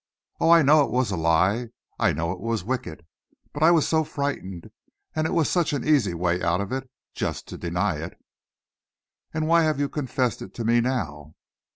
Oh, I know it was a lie I know it was wicked but I was so frightened, and it was such an easy way out of it, just to deny it." "And why have you confessed it to me now?"